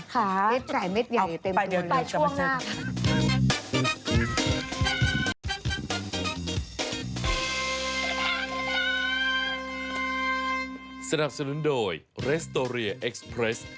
ข่าวเอาไปเดี๋ยวช่วงหน้าค่ะสำหรับสนุนโดยเรสโตเรียเอ็กซ์เพรส